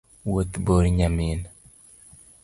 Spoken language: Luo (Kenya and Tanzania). Wuoth bor nyamin